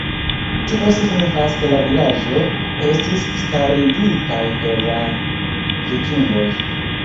Tio signifas ke la vilaĝo estis starigitaj per la vikingoj.